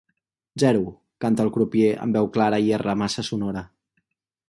Zero —canta el crupier amb veu clara i erra massa sonora.